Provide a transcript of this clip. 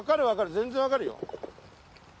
全然分かるよ。